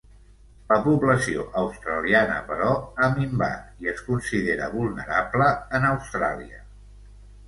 La població australiana però, ha minvat, i es considera vulnerable en Austràlia.